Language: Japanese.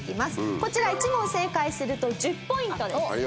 こちら１問正解すると１０ポイントです。